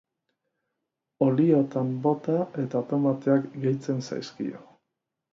Oliotan bota eta tomateak gehitzen zaizkio.